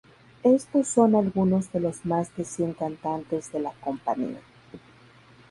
Estos son algunos de los más de cien cantantes de la compañía.